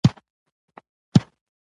او خپلې ارزښتناکې ويناوې